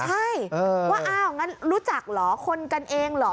ใช่ว่าอ้าวงั้นรู้จักเหรอคนกันเองเหรอ